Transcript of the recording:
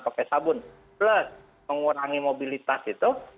pakai sabun plus mengurangi mobilitas itu